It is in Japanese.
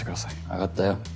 わかったよ。